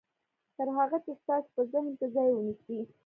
تر هغه چې ستاسې په ذهن کې ځای ونيسي.